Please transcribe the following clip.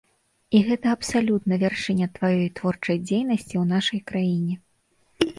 І гэта абсалютна вяршыня тваёй творчай дзейнасці ў нашай краіне.